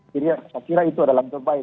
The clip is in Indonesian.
jadi saya kira itu adalah yang terbaik